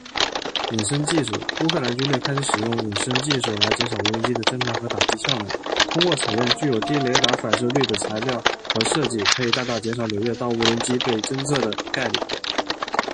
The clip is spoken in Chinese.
隐身技术：乌克兰军队开始使用隐身技术来减少无人机的侦查和打击效能。通过采用具有低雷达反射率的材料和设计，可以大大减少"柳叶刀"无人机被侦测的概率。